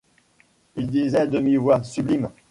Il disait à demi-voix: Sublime!